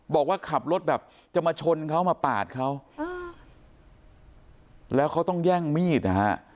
บอกว่าขับรถแบบจะมาชนเขามาปาดเขาแล้วเขาต้องแย่งมีดนะฮะ